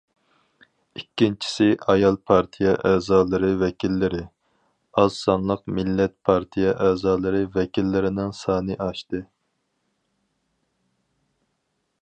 ئىككىنچىسى، ئايال پارتىيە ئەزالىرى ۋەكىللىرى، ئاز سانلىق مىللەت پارتىيە ئەزالىرى ۋەكىللىرىنىڭ سانى ئاشتى.